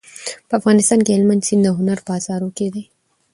په افغانستان کې هلمند سیند د هنر په اثارو کې دی.